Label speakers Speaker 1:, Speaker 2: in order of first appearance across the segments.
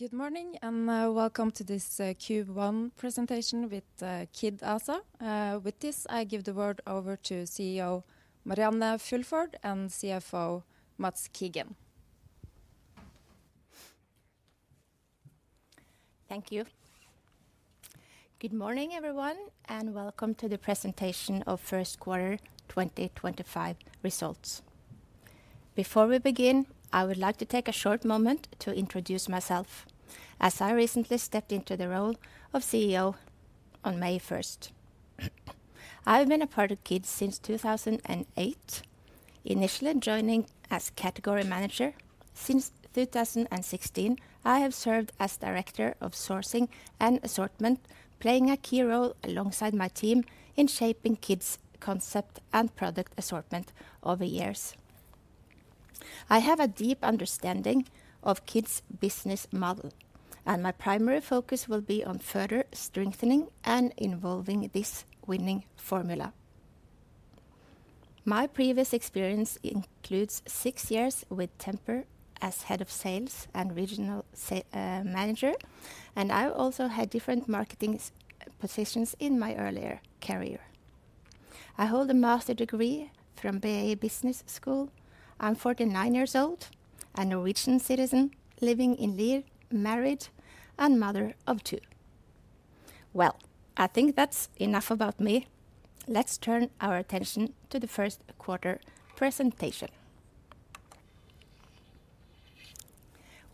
Speaker 1: Good morning and welcome to this Q1 presentation with Kid ASA. With this, I give the word over to CEO Marianne Fulford and CFO Mads Kigen.
Speaker 2: Thank you. Good morning, everyone, and welcome to the presentation of first quarter 2025 results. Before we begin, I would like to take a short moment to introduce myself, as I recently stepped into the role of CEO on May 1. I've been a part of Kid since 2008, initially joining as category manager. Since 2016, I have served as director of sourcing and assortment, playing a key role alongside my team in shaping Kid's concept and product assortment over the years. I have a deep understanding of Kid's business model, and my primary focus will be on further strengthening and involving this winning formula. My previous experience includes six years with Tempur as head of sales and regional manager, and I also had different marketing positions in my earlier career. I hold a master's degree from BIN Business School. I'm 49 years old, a Norwegian citizen living in Lier, married, and mother of two. I think that's enough about me. Let's turn our attention to the first quarter presentation.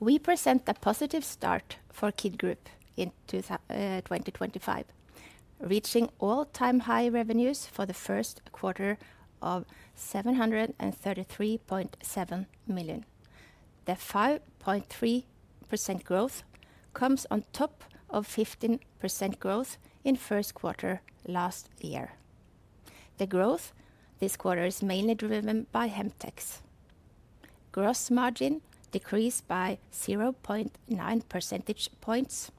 Speaker 2: We present a positive start for Kid Group in 2025, reaching all-time high revenues for the first quarter of 733.7 million. The 5.3% growth comes on top of 15% growth in first quarter last year. The growth this quarter is mainly driven by Hemtex. Gross margin decreased by 0.9 percentage points.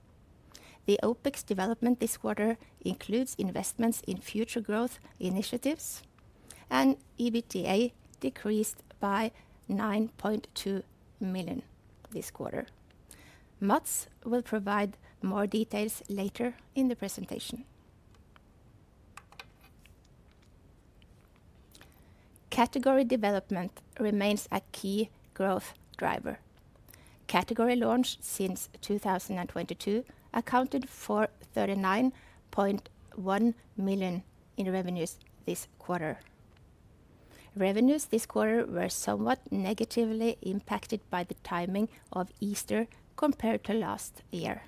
Speaker 2: The OPEX development this quarter includes investments in future growth initiatives, and EBITDA decreased by 9.2 million this quarter. Mads will provide more details later in the presentation. Category development remains a key growth driver. Category launch since 2022 accounted for 39.1 million in revenues this quarter. Revenues this quarter were somewhat negatively impacted by the timing of Easter compared to last year.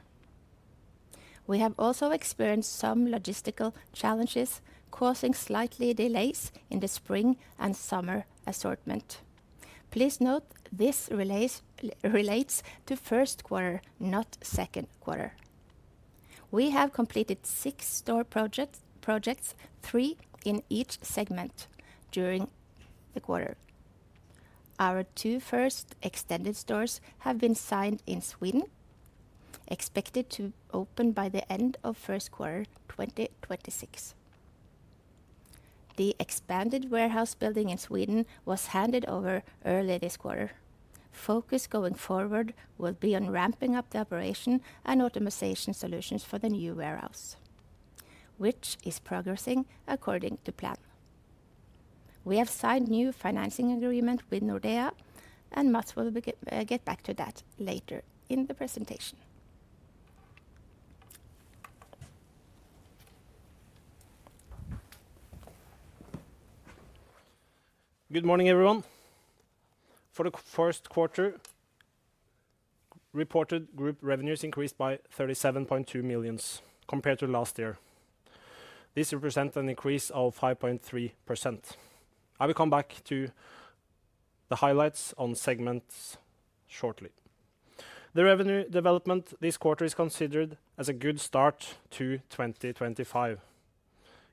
Speaker 2: We have also experienced some logistical challenges, causing slightly delays in the spring and summer assortment. Please note this relates to first quarter, not second quarter. We have completed six store projects, three in each segment during the quarter. Our two first extended stores have been signed in Sweden, expected to open by the end of first quarter 2026. The expanded warehouse building in Sweden was handed over early this quarter. Focus going forward will be on ramping up the operation and optimization solutions for the new warehouse, which is progressing according to plan. We have signed a new financing agreement with Nordea, and Mads will get back to that later in the presentation.
Speaker 3: Good morning, everyone. For the first quarter, reported group revenues increased by 37.2 million compared to last year. This represents an increase of 5.3%. I will come back to the highlights on segments shortly. The revenue development this quarter is considered as a good start to 2025,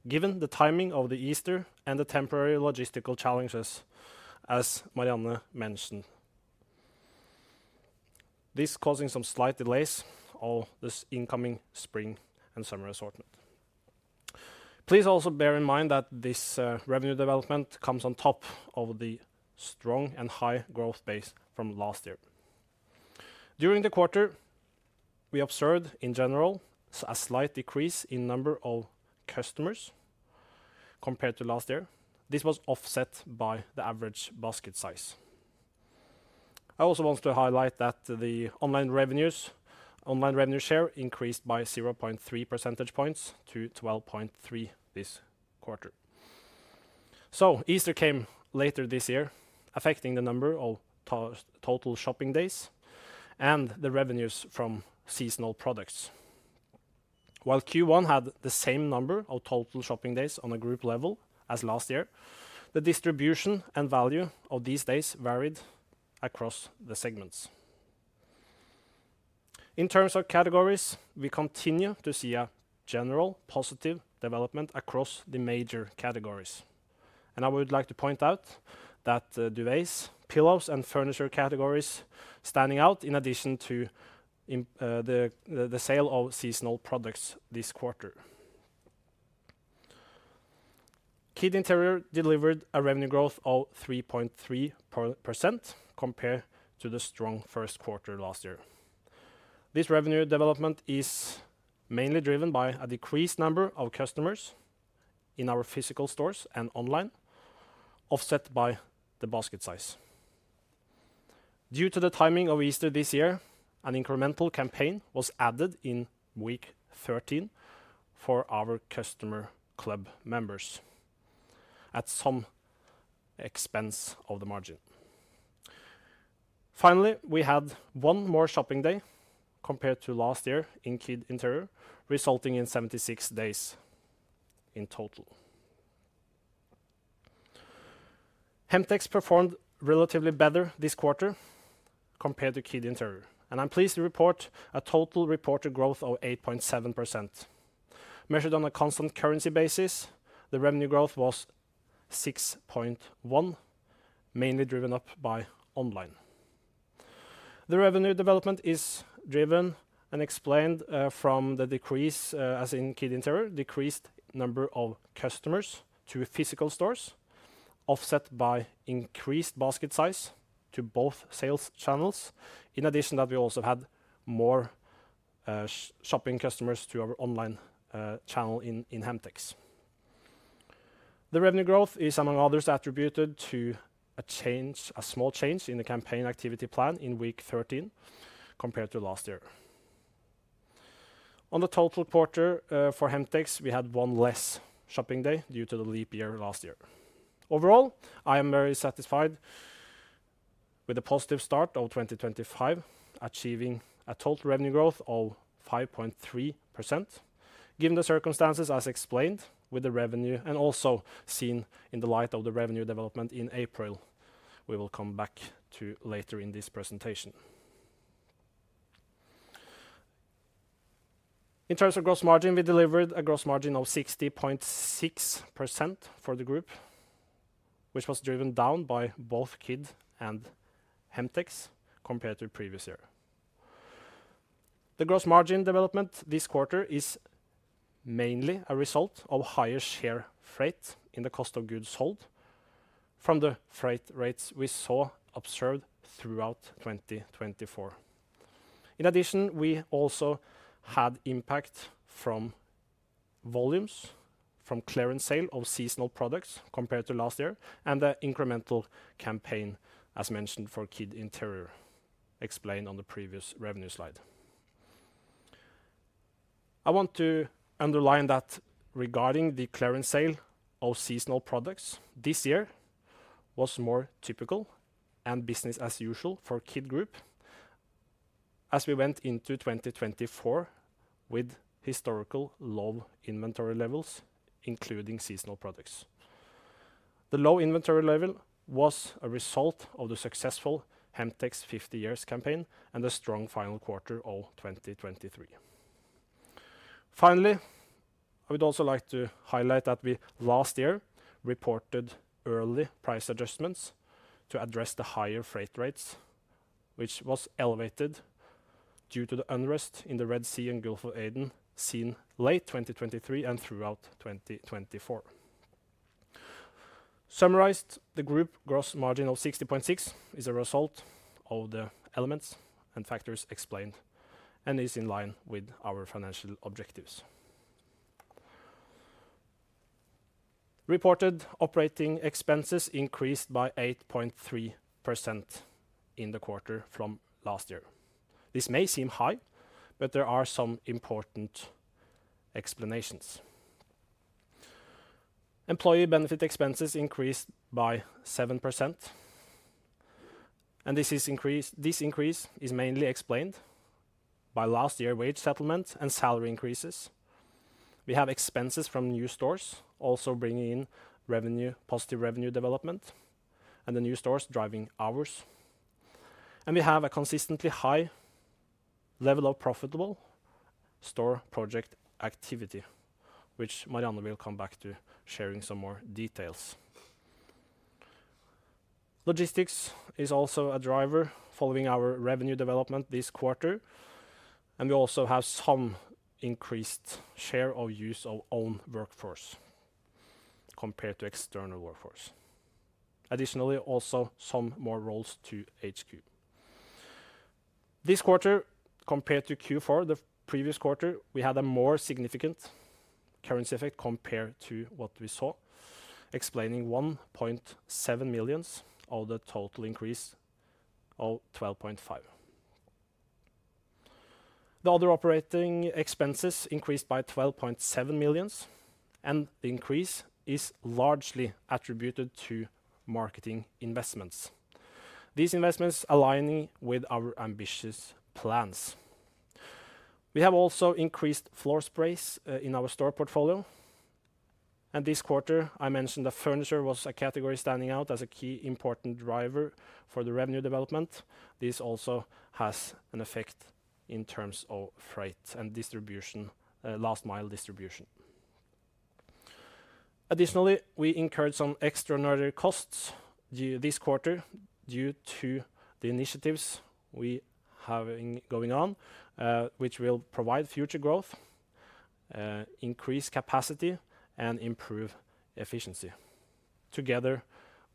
Speaker 3: given the timing of the Easter and the temporary logistical challenges, as Marianne mentioned. This is causing some slight delays on this incoming spring and summer assortment. Please also bear in mind that this revenue development comes on top of the strong and high growth base from last year. During the quarter, we observed in general a slight decrease in the number of customers compared to last year. This was offset by the average basket size. I also want to highlight that the online revenue share increased by 0.3 percentage points to 12.3% this quarter. Easter came later this year, affecting the number of total shopping days and the revenues from seasonal products. While Q1 had the same number of total shopping days on a group level as last year, the distribution and value of these days varied across the segments. In terms of categories, we continue to see a general positive development across the major categories. I would like to point out that the duvets, pillows, and furniture categories are standing out in addition to the sale of seasonal products this quarter. Kid Interior delivered a revenue growth of 3.3% compared to the strong first quarter last year. This revenue development is mainly driven by a decreased number of customers in our physical stores and online, offset by the basket size. Due to the timing of Easter this year, an incremental campaign was added in week 13 for our customer club members at some expense of the margin. Finally, we had one more shopping day compared to last year in Kid Interior, resulting in 76 days in total. Hemtex performed relatively better this quarter compared to Kid Interior, and I'm pleased to report a total reported growth of 8.7%. Measured on a constant currency basis, the revenue growth was 6.1%, mainly driven up by online. The revenue development is driven and explained from the decrease, as in Kid Interior, decreased number of customers to physical stores, offset by increased basket size to both sales channels. In addition, we also had more shopping customers to our online channel in Hemtex. The revenue growth is, among others, attributed to a small change in the campaign activity plan in week 13 compared to last year. On the total quarter for Hemtex, we had one less shopping day due to the leap year last year. Overall, I am very satisfied with the positive start of 2025, achieving a total revenue growth of 5.3%. Given the circumstances, as explained with the revenue and also seen in the light of the revenue development in April, we will come back to later in this presentation. In terms of gross margin, we delivered a gross margin of 60.6% for the group, which was driven down by both Kid and Hemtex compared to previous year. The gross margin development this quarter is mainly a result of higher share freight in the cost of goods sold from the freight rates we saw observed throughout 2024. In addition, we also had impact from volumes, from clearance sale of seasonal products compared to last year, and the incremental campaign, as mentioned for Kid Interior, explained on the previous revenue slide. I want to underline that regarding the clearance sale of seasonal products, this year was more typical and business as usual for Kid Group as we went into 2024 with historically low inventory levels, including seasonal products. The low inventory level was a result of the successful Hemtex 50 years campaign and the strong final quarter of 2023. Finally, I would also like to highlight that we last year reported early price adjustments to address the higher freight rates, which were elevated due to the unrest in the Red Sea and Gulf of Aden seen late 2023 and throughout 2024. Summarized, the group gross margin of 60.6% is a result of the elements and factors explained and is in line with our financial objectives. Reported operating expenses increased by 8.3% in the quarter from last year. This may seem high, but there are some important explanations. Employee benefit expenses increased by 7%, and this increase is mainly explained by last year's wage settlement and salary increases. We have expenses from new stores also bringing in positive revenue development and the new stores driving hours. We have a consistently high level of profitable store project activity, which Marianne will come back to sharing some more details. Logistics is also a driver following our revenue development this quarter, and we also have some increased share of use of own workforce compared to external workforce. Additionally, also some more roles to HQ. This quarter, compared to Q4, the previous quarter, we had a more significant currency effect compared to what we saw, explaining 1.7 million of the total increase of 12.5 million. The other operating expenses increased by 12.7 million, and the increase is largely attributed to marketing investments. These investments align with our ambitious plans. We have also increased floor sprays in our store portfolio, and this quarter, I mentioned that furniture was a category standing out as a key important driver for the revenue development. This also has an effect in terms of freight and last-mile distribution. Additionally, we incurred some extraordinary costs this quarter due to the initiatives we have going on, which will provide future growth, increase capacity, and improve efficiency, together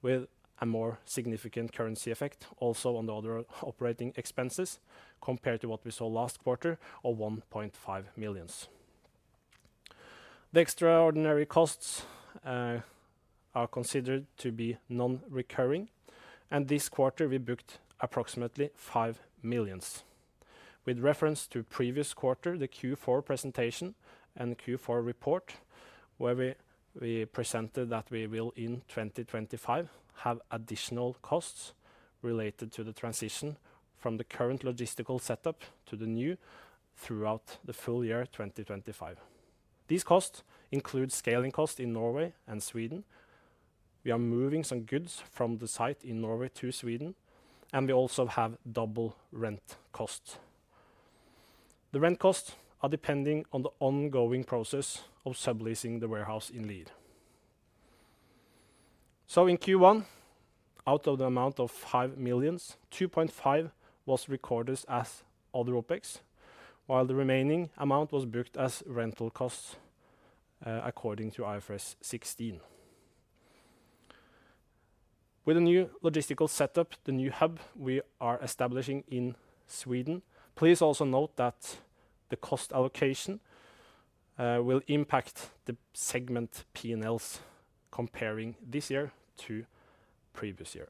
Speaker 3: with a more significant currency effect also on the other operating expenses compared to what we saw last quarter of 1.5 million. The extraordinary costs are considered to be non-recurring, and this quarter, we booked approximately 5 million. With reference to previous quarter, the Q4 presentation and Q4 report, where we presented that we will in 2025 have additional costs related to the transition from the current logistical setup to the new throughout the full year 2025. These costs include scaling costs in Norway and Sweden. We are moving some goods from the site in Norway to Sweden, and we also have double rent costs. The rent costs are depending on the ongoing process of subleasing the warehouse in Lid. In Q1, out of the amount of 5 million, 2.5 million was recorded as other OPEX, while the remaining amount was booked as rental costs according to IFRS 16. With the new logistical setup, the new hub we are establishing in Sweden, please also note that the cost allocation will impact the segment P&Ls comparing this year to previous year.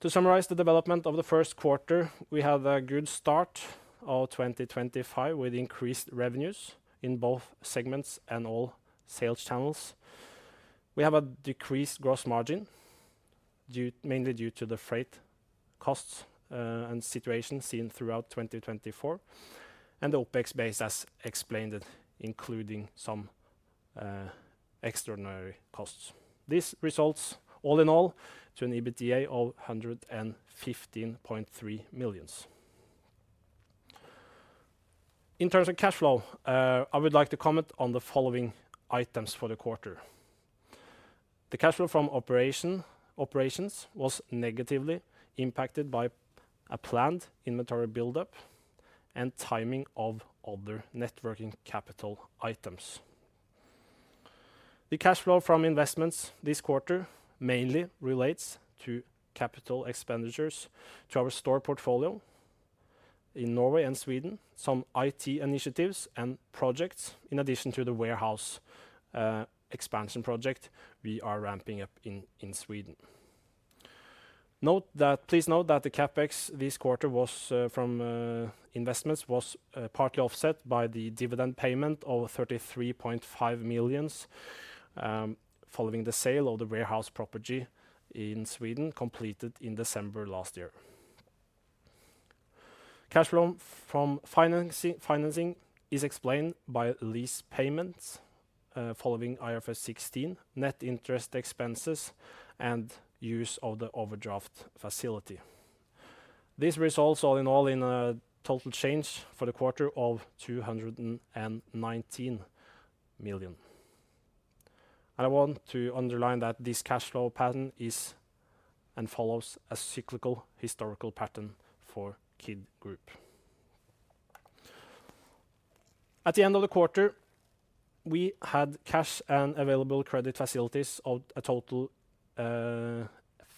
Speaker 3: To summarize the development of the first quarter, we had a good start of 2025 with increased revenues in both segments and all sales channels. We have a decreased gross margin, mainly due to the freight costs and situation seen throughout 2024, and the OPEX base, as explained, including some extraordinary costs. This results, all in all, to an EBITDA of 115.3 million. In terms of cash flow, I would like to comment on the following items for the quarter. The cash flow from operations was negatively impacted by a planned inventory buildup and timing of other networking capital items. The cash flow from investments this quarter mainly relates to capital expenditures to our store portfolio in Norway and Sweden, some IT initiatives and projects, in addition to the warehouse expansion project we are ramping up in Sweden. Please note that the CapEx this quarter from investments was partly offset by the dividend payment of 33.5 million following the sale of the warehouse property in Sweden completed in December last year. Cash flow from financing is explained by lease payments following IFRS 16, net interest expenses, and use of the overdraft facility. This results, all in all, in a total change for the quarter of 219 million. I want to underline that this cash flow pattern is and follows a cyclical historical pattern for Kid Group. At the end of the quarter, we had cash and available credit facilities of a total of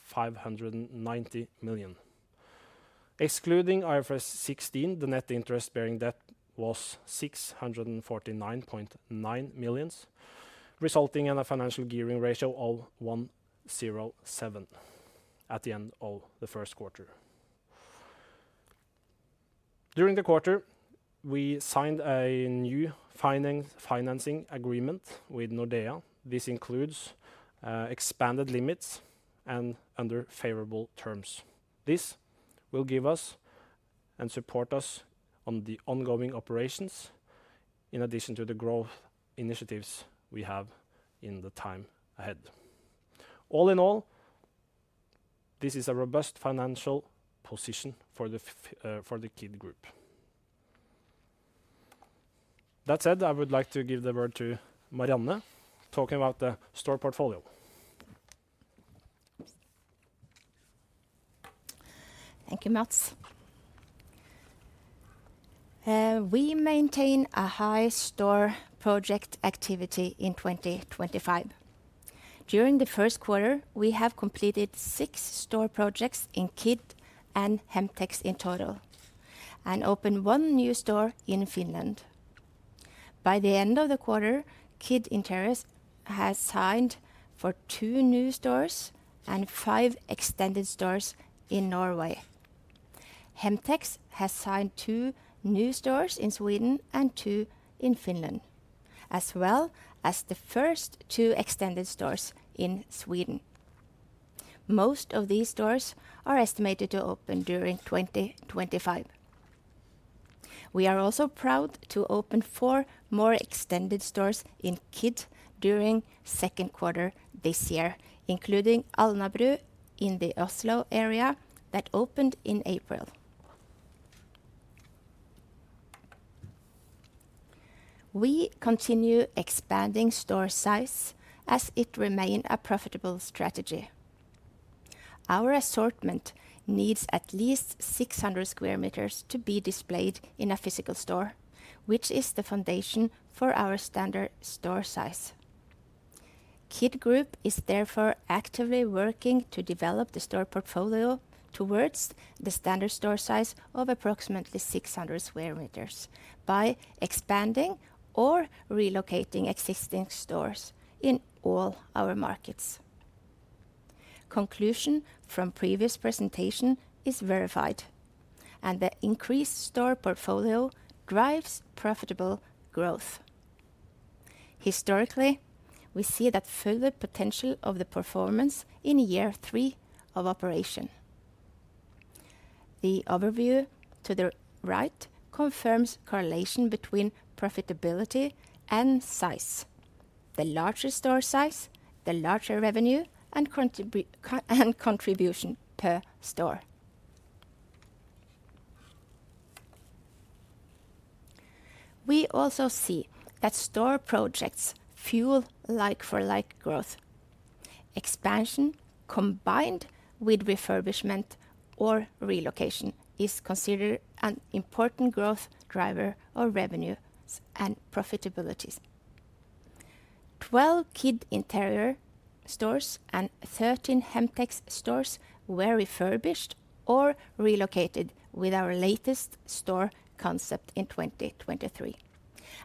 Speaker 3: 590 million. Excluding IFRS 16, the net interest-bearing debt was 649.9 million, resulting in a financial gearing ratio of 107 at the end of the first quarter. During the quarter, we signed a new financing agreement with Nordea. This includes expanded limits and under favorable terms. This will give us and support us on the ongoing operations, in addition to the growth initiatives we have in the time ahead. All in all, this is a robust financial position for the Kid Group. That said, I would like to give the word to Marianne talking about the store portfolio.
Speaker 2: Thank you, Mads. We maintain a high store project activity in 2025. During the first quarter, we have completed six store projects in Kid and Hemtex in total and opened one new store in Finland. By the end of the quarter, Kid Interiors has signed for two new stores and five extended stores in Norway. Hemtex has signed two new stores in Sweden and two in Finland, as well as the first two extended stores in Sweden. Most of these stores are estimated to open during 2025. We are also proud to open four more extended stores in Kid during the second quarter this year, including Alnabru in the Oslo area that opened in April. We continue expanding store size as it remains a profitable strategy. Our assortment needs at least 600 square meters to be displayed in a physical store, which is the foundation for our standard store size. Kid Group is therefore actively working to develop the store portfolio towards the standard store size of approximately 600 square meters by expanding or relocating existing stores in all our markets. Conclusion from previous presentation is verified, and the increased store portfolio drives profitable growth. Historically, we see that further potential of the performance in year three of operation. The overview to the right confirms correlation between profitability and size: the larger store size, the larger revenue, and contribution per store. We also see that store projects fuel like-for-like growth. Expansion combined with refurbishment or relocation is considered an important growth driver of revenues and profitability. Twelve Kid Interior stores and thirteen Hemtex stores were refurbished or relocated with our latest store concept in 2023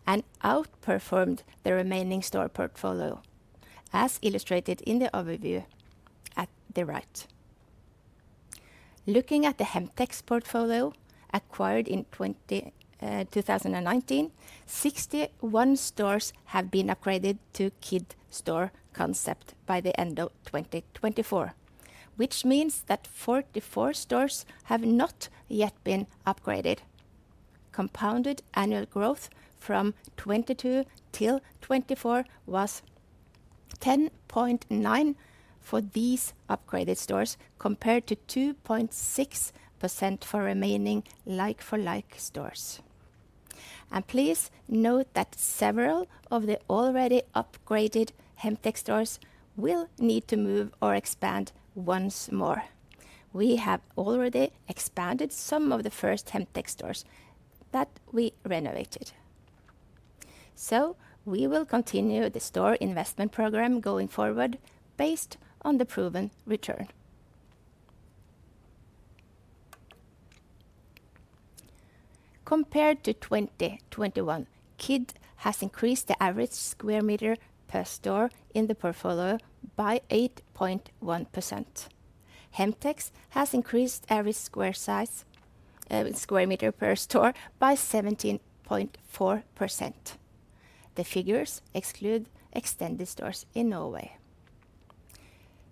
Speaker 2: and outperformed the remaining store portfolio, as illustrated in the overview at the right. Looking at the Hemtex portfolio acquired in 2019, sixty-one stores have been upgraded to Kid Store concept by the end of 2024, which means that forty-four stores have not yet been upgraded. Compounded annual growth from 2022 till 2024 was 10.9% for these upgraded stores compared to 2.6% for remaining like-for-like stores. Please note that several of the already upgraded Hemtex stores will need to move or expand once more. We have already expanded some of the first Hemtex stores that we renovated. We will continue the store investment program going forward based on the proven return. Compared to 2021, Kid has increased the average square meter per store in the portfolio by 8.1%. Hemtex has increased average square meter per store by 17.4%. The figures exclude extended stores in Norway.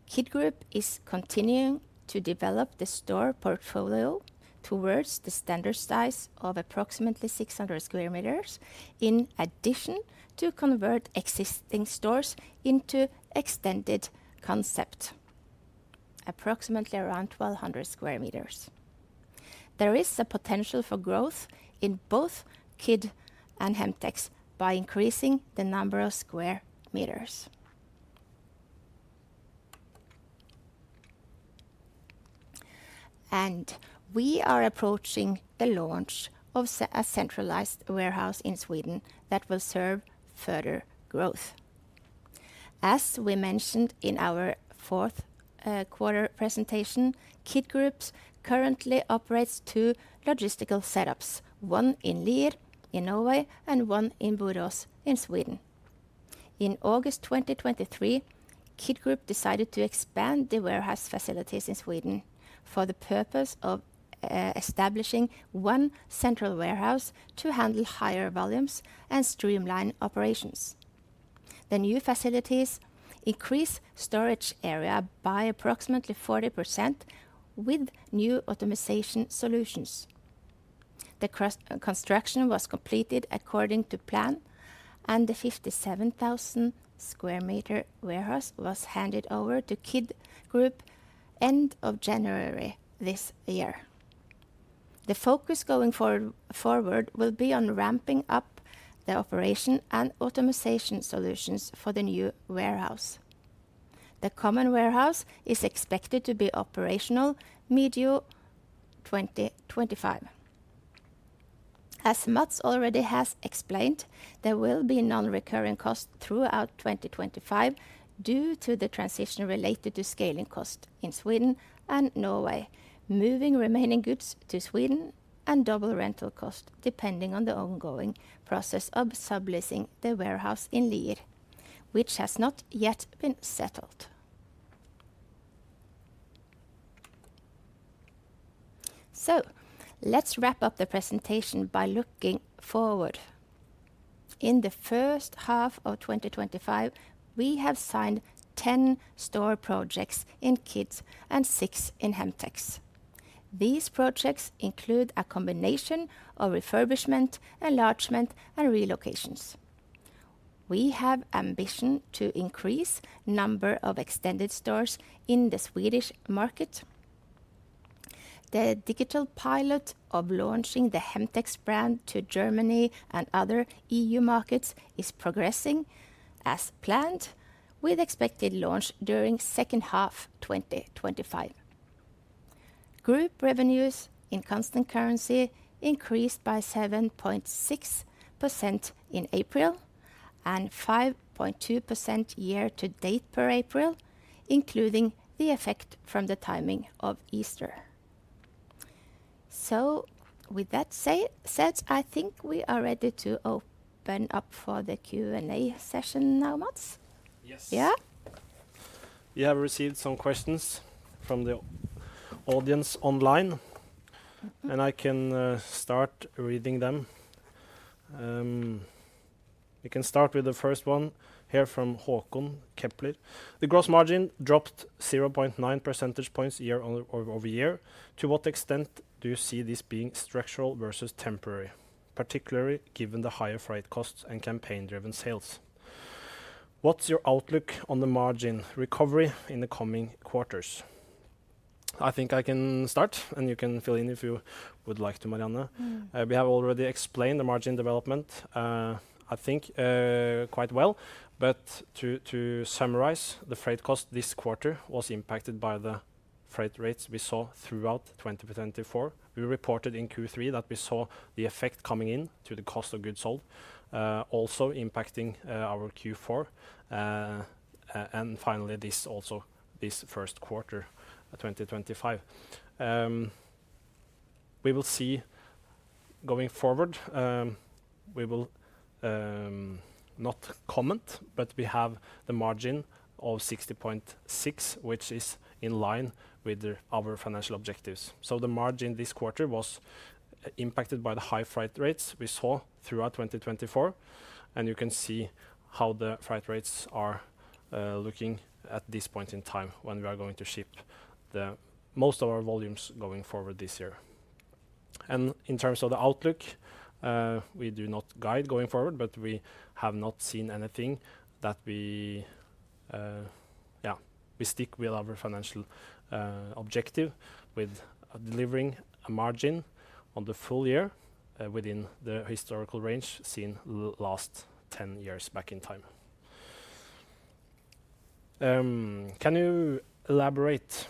Speaker 2: Kid Group is continuing to develop the store portfolio towards the standard size of approximately 600 square meters in addition to converting existing stores into extended concept, approximately around 1,200 square meters. There is a potential for growth in both Kid and Hemtex by increasing the number of square meters. We are approaching the launch of a centralized warehouse in Sweden that will serve further growth. As we mentioned in our fourth quarter presentation, Kid Group currently operates two logistical setups, one in Lid in Norway and one in Buros in Sweden. In August 2023, Kid Group decided to expand the warehouse facilities in Sweden for the purpose of establishing one central warehouse to handle higher volumes and streamline operations. The new facilities increase storage area by approximately 40% with new automization solutions. The construction was completed according to plan, and the 57,000 square meter warehouse was handed over to Kid Group end of January this year. The focus going forward will be on ramping up the operation and optimization solutions for the new warehouse. The common warehouse is expected to be operational mid-year 2025. As Mads already has explained, there will be non-recurring costs throughout 2025 due to the transition related to scaling costs in Sweden and Norway, moving remaining goods to Sweden and double rental costs depending on the ongoing process of subleasing the warehouse in Lid, which has not yet been settled. Let's wrap up the presentation by looking forward. In the first half of 2025, we have signed 10 store projects in Kid and six in Hemtex. These projects include a combination of refurbishment, enlargement, and relocations. We have ambition to increase the number of extended stores in the Swedish market. The digital pilot of launching the Hemtex brand to Germany and other EU markets is progressing as planned, with expected launch during the second half of 2025. Group revenues in constant currency increased by 7.6% in April and 5.2% year to date per April, including the effect from the timing of Easter. With that said, I think we are ready to open up for the Q&A session now, Mads.
Speaker 3: Yes. Yeah. We have received some questions from the audience online, and I can start reading them. We can start with the first one here from Håkon Kepler. The gross margin dropped 0.9 percentage points year over year. To what extent do you see this being structural versus temporary, particularly given the higher freight costs and campaign-driven sales? What's your outlook on the margin recovery in the coming quarters? I think I can start, and you can fill in if you would like to, Marianne. We have already explained the margin development, I think, quite well. To summarize, the freight cost this quarter was impacted by the freight rates we saw throughout 2024. We reported in Q3 that we saw the effect coming into the cost of goods sold, also impacting our Q4. Finally, this also this first quarter of 2025. We will see going forward, we will not comment, but we have the margin of 60.6%, which is in line with our financial objectives. The margin this quarter was impacted by the high freight rates we saw throughout 2024. You can see how the freight rates are looking at this point in time when we are going to ship most of our volumes going forward this year. In terms of the outlook, we do not guide going forward, but we have not seen anything that we, yeah, we stick with our financial objective with delivering a margin on the full year within the historical range seen last 10 years back in time. Can you elaborate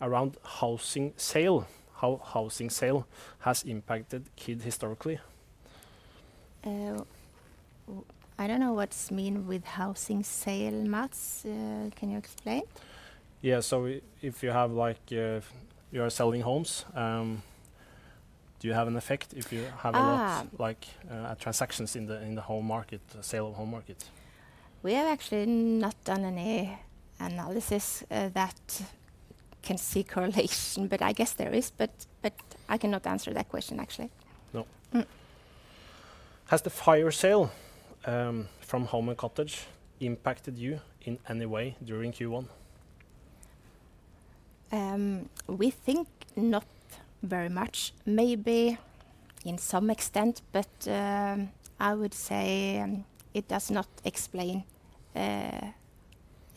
Speaker 3: around housing sale, how housing sale has impacted Kid historically?
Speaker 2: I don't know what is meant with housing sale, Mads. Can you explain?
Speaker 3: Yeah. So if you have, like, you are selling homes, do you have an effect if you have a lot, like, transactions in the home market, sale of home market?
Speaker 2: We have actually not done any analysis that can see correlation, but I guess there is, but I cannot answer that question, actually.
Speaker 3: No. Has the fire sale from home and cottage impacted you in any way during Q1?
Speaker 2: We think not very much, maybe in some extent, but I would say it does not explain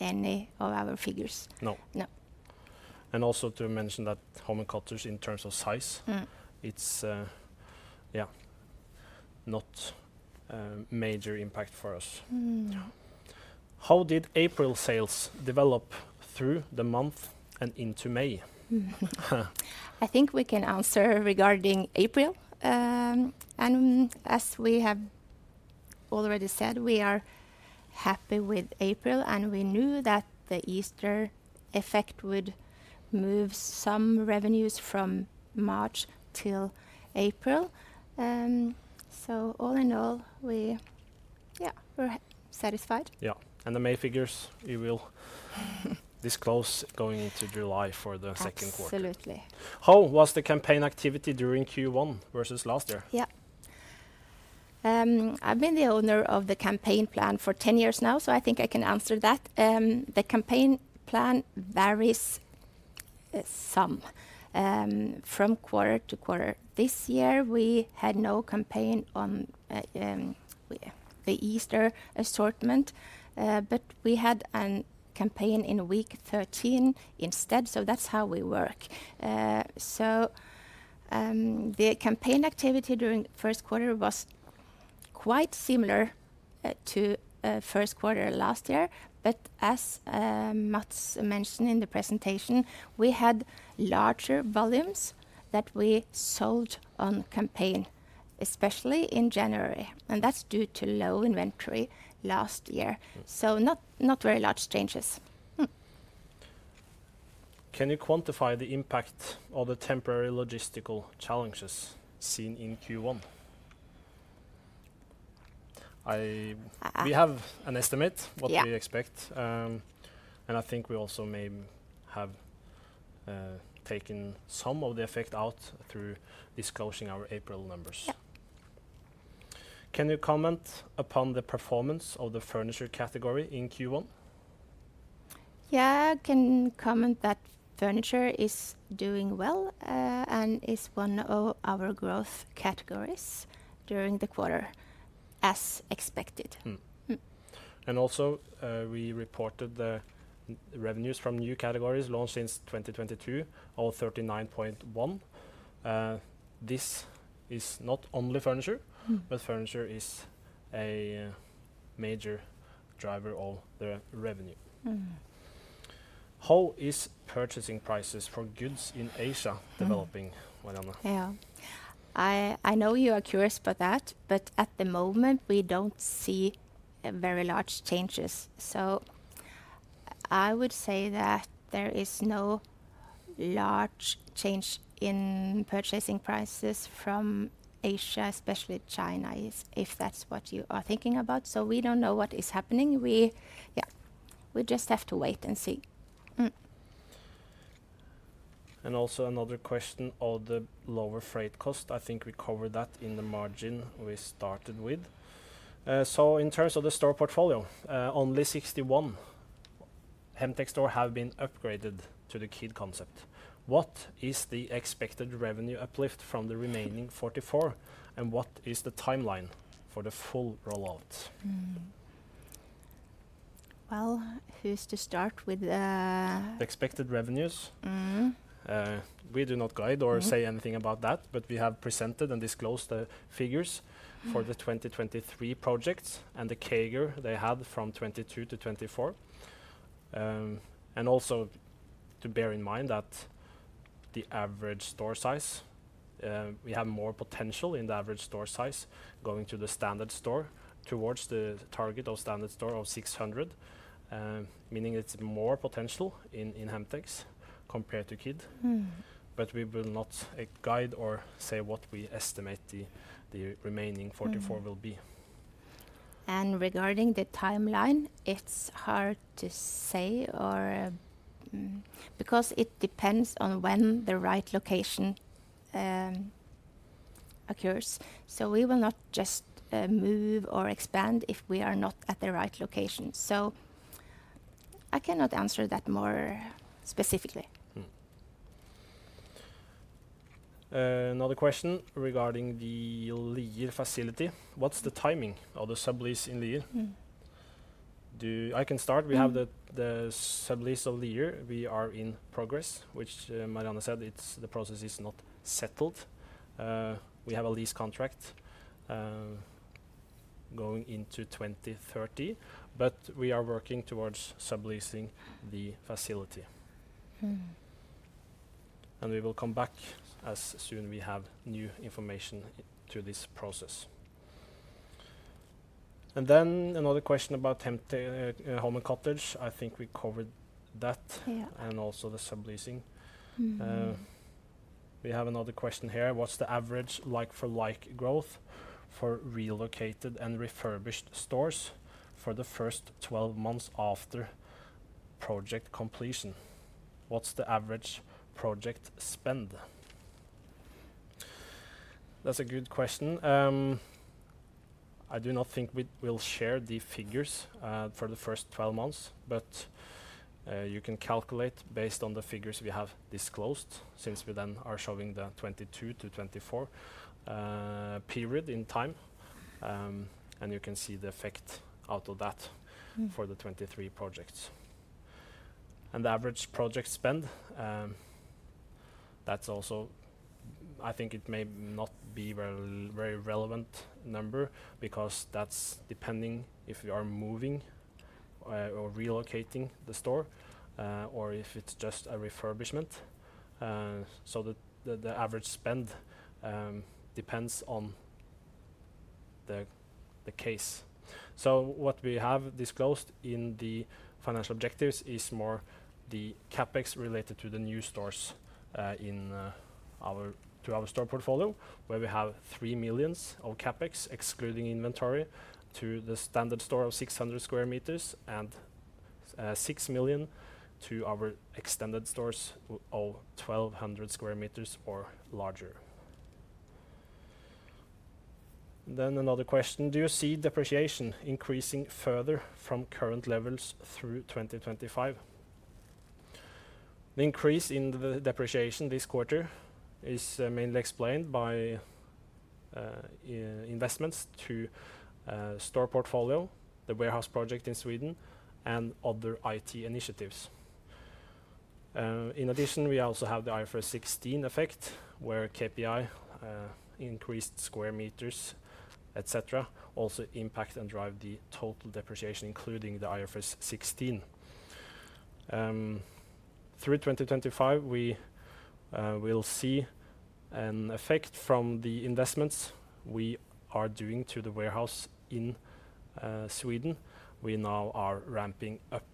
Speaker 2: any of our figures.
Speaker 3: No.
Speaker 2: No.
Speaker 3: And also to mention that home and cottages in terms of size, it's, yeah, not a major impact for us. How did April sales develop through the month and into May?
Speaker 2: I think we can answer regarding April. As we have already said, we are happy with April, and we knew that the Easter effect would move some revenues from March till April. All in all, we, yeah, we're satisfied.
Speaker 3: Yeah. The May figures you will disclose going into July for the second quarter.
Speaker 2: Absolutely.
Speaker 3: How was the campaign activity during Q1 versus last year?
Speaker 2: Yeah. I've been the owner of the campaign plan for 10 years now, so I think I can answer that. The campaign plan varies some from quarter to quarter. This year we had no campaign on the Easter assortment, but we had a campaign in week 13 instead. That is how we work. The campaign activity during the first quarter was quite similar to first quarter last year. As Mads mentioned in the presentation, we had larger volumes that we sold on campaign, especially in January. That is due to low inventory last year. Not very large changes.
Speaker 3: Can you quantify the impact of the temporary logistical challenges seen in Q1? We have an estimate of what we expect. I think we also may have taken some of the effect out through disclosing our April numbers. Can you comment upon the performance of the furniture category in Q1?
Speaker 2: Yeah, I can comment that furniture is doing well and is one of our growth categories during the quarter, as expected.
Speaker 3: We also reported the revenues from new categories launched since 2022, all 39.1 million. This is not only furniture, but furniture is a major driver of the revenue. How is purchasing prices for goods in Asia developing, Marianne?
Speaker 2: Yeah. I know you are curious about that, but at the moment we do not see very large changes. I would say that there is no large change in purchasing prices from Asia, especially China, if that is what you are thinking about. We do not know what is happening. We just have to wait and see.
Speaker 3: Also, another question of the lower freight cost. I think we covered that in the margin we started with. In terms of the store portfolio, only 61 Hemtex stores have been upgraded to the Kid concept. What is the expected revenue uplift from the remaining 44? What is the timeline for the full rollout?
Speaker 2: Who is to start with?
Speaker 3: Expected revenues? We do not guide or say anything about that, but we have presented and disclosed the figures for the 2023 projects and the CAGR they had from 2022 to 2024. Also, to bear in mind that the average store size, we have more potential in the average store size going to the standard store towards the target of standard store of 600, meaning it is more potential in Hemtex compared to Kid. We will not guide or say what we estimate the remaining 44 will be.
Speaker 2: Regarding the timeline, it is hard to say because it depends on when the right location occurs. We will not just move or expand if we are not at the right location. I cannot answer that more specifically.
Speaker 3: Another question regarding the Lid facility. What's the timing of the sublease in Lid? I can start. We have the sublease of Lid. We are in progress, which Marianne said. The process is not settled. We have a lease contract going into 2030, but we are working towards subleasing the facility. We will come back as soon as we have new information to this process. Another question about home and cottage. I think we covered that and also the subleasing. We have another question here. What's the average like-for-like growth for relocated and refurbished stores for the first 12 months after project completion? What's the average project spend? That's a good question. I do not think we will share the figures for the first 12 months, but you can calculate based on the figures we have disclosed since we then are showing the 2022 to 2024 period in time. You can see the effect out of that for the 23 projects. The average project spend, that's also, I think it may not be a very relevant number because that's depending if we are moving or relocating the store or if it's just a refurbishment. The average spend depends on the case. What we have disclosed in the financial objectives is more the CapEx related to the new stores to our store portfolio, where we have 3 million of CapEx excluding inventory to the standard store of 600 square meters and 6 million to our extended stores of 1,200 square meters or larger. Another question. Do you see depreciation increasing further from current levels through 2025? The increase in the depreciation this quarter is mainly explained by investments to store portfolio, the warehouse project in Sweden, and other IT initiatives. In addition, we also have the IFRS 16 effect, where KPI increased square meters, etc., also impact and drive the total depreciation, including the IFRS 16. Through 2025, we will see an effect from the investments we are doing to the warehouse in Sweden. We now are ramping up.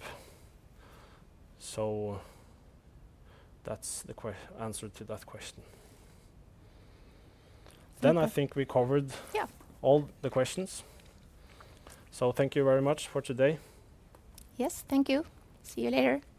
Speaker 3: That is the answer to that question. I think we covered all the questions. Thank you very much for today.
Speaker 2: Yes, thank you. See you later.